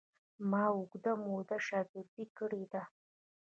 ما اوږده موده شاګردي کړې ده.